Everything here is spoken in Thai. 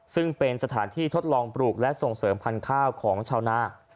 ซึ่งเป็นสถานที่ทดลองปลูกและส่งเสริมพันธุ์ข้าวของชาวนา